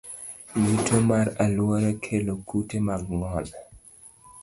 Yuto mar alwora kelo kute mag ng'ol.